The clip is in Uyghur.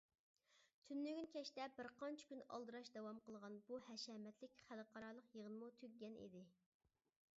تۈنۈگۈن كەچتە بىر قانچە كۈن ئالدىراش داۋام قىلغان بۇ ھەشەمەتلىك خەلقئارالىق يىغىنمۇ تۈگىگەن ئىدى.